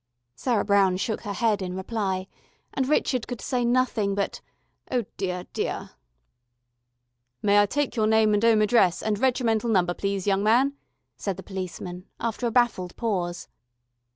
Sarah Brown shook her head in reply, and Richard could say nothing but "Oh deah, deah...." "May I take your name and 'ome address, and regimental number, please, young man," said the policeman, after a baffled pause.